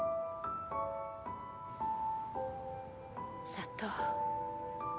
佐都。